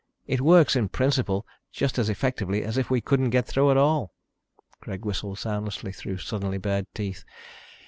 It works, in principle, just as effectively as if we couldn't get through at all." Greg whistled soundlessly through suddenly bared teeth.